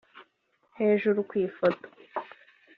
Hujuru ku ifoto